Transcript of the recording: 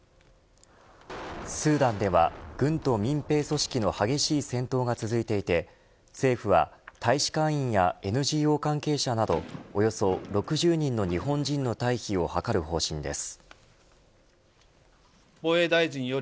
スーダンでは、軍と民兵組織の激しい戦闘が続いていて政府は大使館員やＮＧＯ関係者などおよそ６０人の日本人の退避を図る方針です。